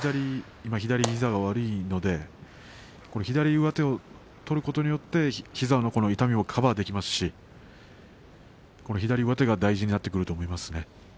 今、左膝が悪いので左上手を取ることによって膝の痛みもカバーできますし左上手が大事になってくると思いますね。